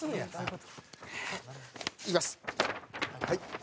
はい。